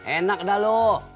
enak dah lu